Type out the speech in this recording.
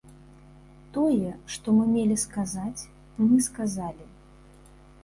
Тое, што мы мелі сказаць, мы сказалі.